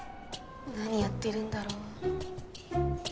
何やってるんだろう。